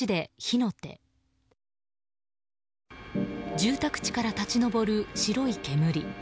住宅地から立ち上る白い煙。